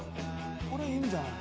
これいいんじゃない？